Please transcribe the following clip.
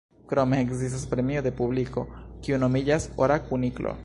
Krome ekzistas premio de publiko, kiu nomiĝas Ora Kuniklo.